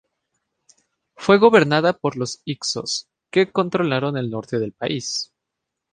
Fue gobernada por los hicsos, que controlaron el norte del país.